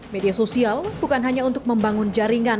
media sosial bukan hanya untuk membangun jaringan